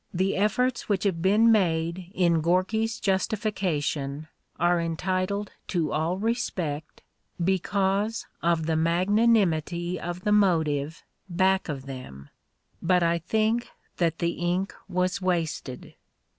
... The efforts which have been made in Gorky's justification are entitled to all respect because of the magnanimity of the motive back of them, but I think that the ink was wasted.